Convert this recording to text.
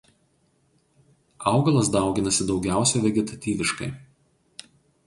Augalas dauginasi daugiausia vegetatyviškai.